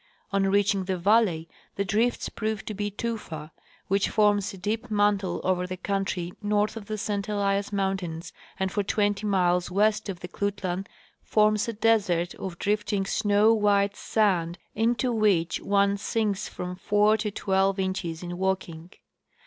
On reaching the valley the drifts proved to be tufa, which forms a deep mantle over the country north of the St Elias mountains, and for twenty miles west of the Klutlan forms a desert of drifting snow white sand into which one sinks from four to twelve inches in walk ing.